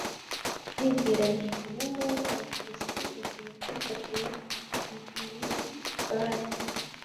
ndibwira nti 'ubu ngubu abafilisiti bagiye kumfatira i giligali